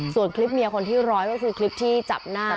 ส่วนคลิปเมียคนที่ร้อยก็คือคลิปที่จับหน้า